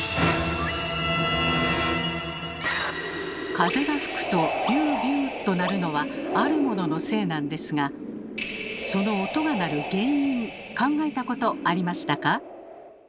風が吹くと「ビュービュー」となるのはあるもののせいなんですがその音がなる原因考えたことありましたか？